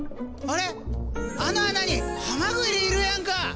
あの穴にハマグリいるやんか。